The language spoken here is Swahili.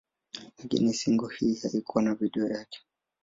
Lakini single hii haikuwa na video yake.